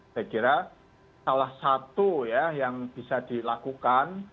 saya kira salah satu ya yang bisa dilakukan